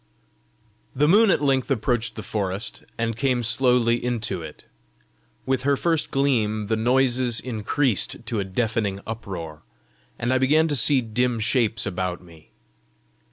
The moon at length approached the forest, and came slowly into it: with her first gleam the noises increased to a deafening uproar, and I began to see dim shapes about me.